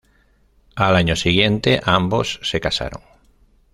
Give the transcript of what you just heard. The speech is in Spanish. Al año siguiente ambos se casaron.